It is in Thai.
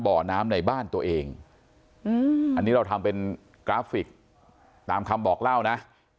บ่อน้ำในบ้านตัวเองอันนี้เราทำเป็นกราฟิกตามคำบอกเล่านะ